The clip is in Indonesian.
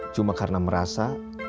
cuma karena merasa